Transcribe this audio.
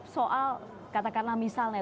soal katakanlah misalnya